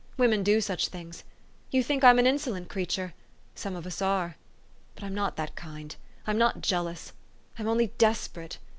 Women do such things. You think I'm an insolent creature ! some of us are. But I'm not that kind. I'm not jealous : I'm only desperate.